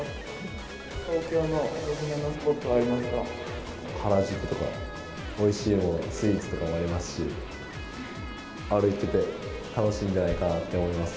東京のお勧めのスポットはあ原宿とか、おいしいスイーツとかがありますし、歩いてて楽しいんじゃないかなと思います。